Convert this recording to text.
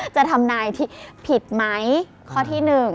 จะทำนายที่ผิดไหมข้อที่๑